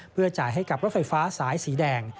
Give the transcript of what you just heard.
เพื่อจ่ายให้กับรถไฟฟ้าสายสีแดง